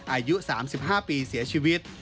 อายุ๓๕ปีเสียชีวิต